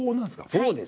そうですよ。